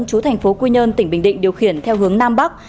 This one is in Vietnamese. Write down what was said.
chú thành phố quy nhơn tỉnh bình định điều khiển theo hướng nam bắc